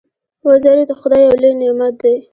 وزې د خدای یو لوی نعمت دی